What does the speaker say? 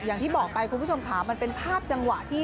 อย่างที่บอกไปคุณผู้ชมค่ะมันเป็นภาพจังหวะที่